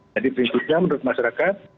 jadi perintahnya menurut masyarakat